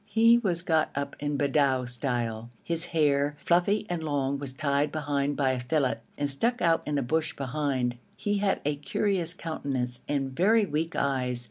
He was got up in Bedou style; his hair, fluffy and long, was tied back by a fillet and stuck out in a bush behind. He had a curious countenance and very weak eyes.